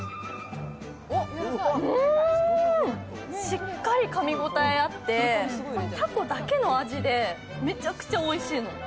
しっかりかみ応えあって、たこだけの味でめちゃくちゃおいしいのよ。